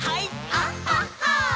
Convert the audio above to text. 「あっはっは」